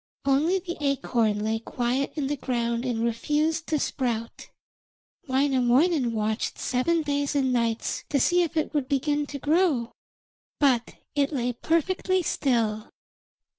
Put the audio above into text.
Only the acorn lay quiet in the ground and refused to sprout. Wainamoinen watched seven days and nights to see if it would begin to grow, but it lay perfectly still.